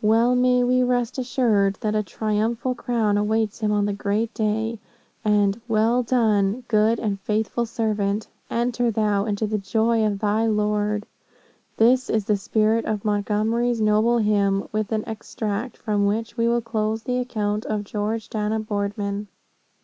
Well may we rest assured, that a triumphal crown awaits him on the great day, and 'Well done, good and faithful servant, enter thou into the joy of thy Lord!'" This is in the spirit of Montgomery's noble hymn, with an extract from which we will close the account of George Dana Boardman.